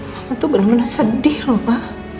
mama tuh bener bener sedih loh pa